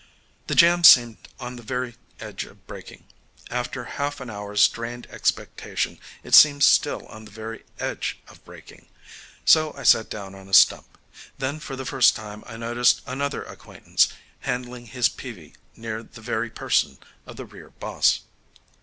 The jam seemed on the very edge of breaking. After half an hour's strained expectation it seemed still on the very edge of breaking. So I sat down on a stump. Then for the first time I noticed another acquaintance, handling his peavie near the very person of the rear boss.